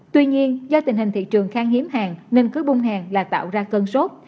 tuy nhiên do tình hình thị trường khang hiếm hàng nên cứ bung hàng là tạo ra cơn sốt